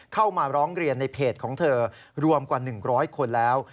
เข้ามาร้องเรียนในเพจของเธอรวมกว่า๑๐๐คนแล้ว